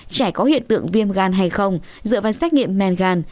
trẻ có hiện tượng viêm gan hay không dựa vào xét nghiệm men gan